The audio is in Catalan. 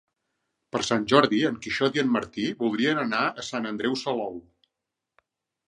Per Sant Jordi en Quixot i en Martí voldrien anar a Sant Andreu Salou.